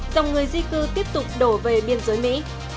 dòng người di cư tiếp tục đổ về biên giới mỹ